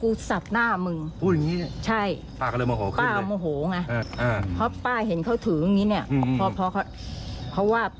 อืมดีค่ะ